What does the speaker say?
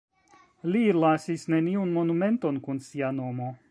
Li lasis neniun monumenton kun sia nomo.